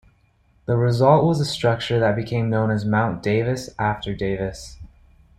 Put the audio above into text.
The result was a structure that became known as Mount Davis after Davis.